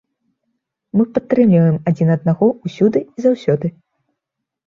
Мы падтрымліваем адзін аднаго ўсюды і заўсёды.